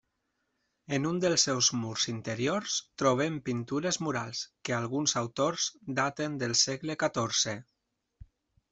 En un dels seus murs interiors trobem pintures murals, que alguns autors daten del segle catorze.